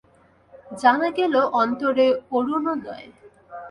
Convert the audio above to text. জানা গেল অন্তরে অরুণোদয়।